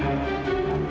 ya allah gimana ini